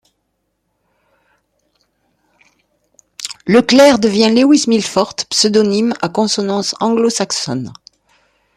Leclerc devient Lewis Milfort, pseudonyme à consonance anglo-saxonne.